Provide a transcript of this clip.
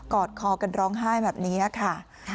อดคอกันร้องไห้แบบนี้ค่ะ